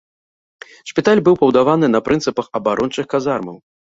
Шпіталь быў пабудаваны на прынцыпах абарончых казармаў.